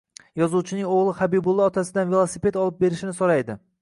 Yozuvchining oʻgʻli Habibulla otasidan velosiped olib berishini soʻraydi